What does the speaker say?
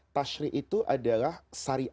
tasri itu adalah syariat